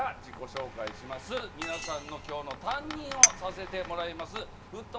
皆さんの今日の担任をさせてもらいます。